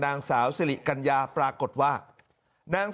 คุณสิริกัญญาบอกว่า๖๔เสียง